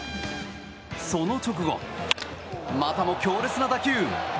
その直後、またも強烈な打球。